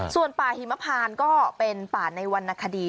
ส่วนป่าหิมพานก็เป็นป่าในวรรณคดี